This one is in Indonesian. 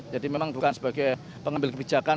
jadi memang bukan sebagai pengambil kebijakan